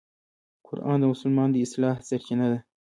قرآن د مسلمان د اصلاح سرچینه ده.